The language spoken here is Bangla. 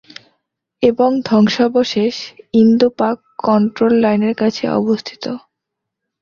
এর ধ্বংসাবশেষ ইন্দো-পাক কন্ট্রোল লাইনের কাছে অবস্থিত।